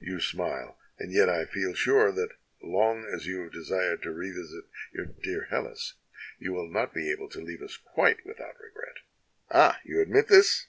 You smile, and yet I feel sure that long as you have desired to revisit your dear Hellas, you will not be able to leave us quite without regret. Ah, you admit this?